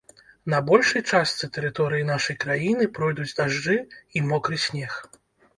На большай частцы тэрыторыі нашай краіны пройдуць дажджы і мокры снег.